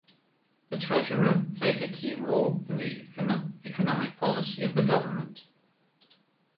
The Treasurer plays a key role in the economic policy of the government.